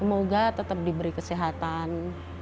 semoga tetap diberi kesehatan